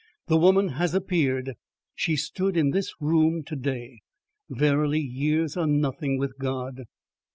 The woman has appeared! She stood in this room to day. Verily, years are nothing with God.